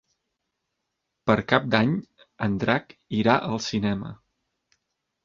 Per Cap d'Any en Drac irà al cinema.